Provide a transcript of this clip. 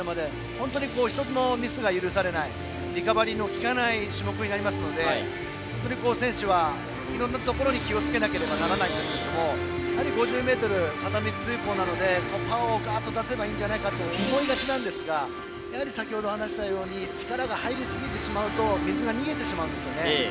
本当に１つもミスが許されないリカバリーの利かない種目なので選手はいろいろなところに気をつけなければいけませんが５０ｍ、片道通行なのでパワーをガーッと出せばいいんじゃないかと思いがちですが先程、話したように力が入りすぎてしまうと水が逃げてしまうんですよね。